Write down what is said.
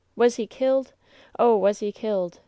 Was he killed ? Oh, was he killed